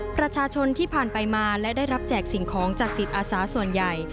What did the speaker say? ประชาชนที่ผ่านไปมาและได้รับแจกสิ่งของจากจิตอาสาส่วนใหญ่